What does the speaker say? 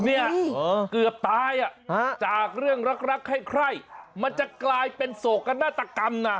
เนี่ยเกือบตายอ่ะจากเรื่องรักใคร่มันจะกลายเป็นโศกนาฏกรรมนะ